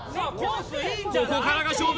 ここからが勝負